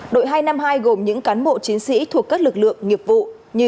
đội hai trăm năm mươi hai gồm những cán bộ chiến sĩ thuộc các lực lượng nghiệp vụ như